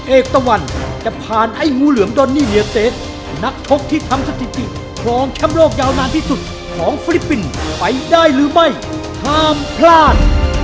เอกตะวันจะผ่านไอ้งูเหลือมดอนนี่เลียเตสนักชกที่ทำสถิติครองแชมป์โลกยาวนานที่สุดของฟิลิปปินส์ไปได้หรือไม่ห้ามพลาด